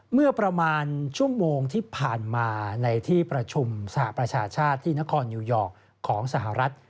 เมื่อประมาณชั่วโมงที่ผ่านมาในที่ประชุมสหประชาชาติที่นครนิวยอร์กของสหรัฐ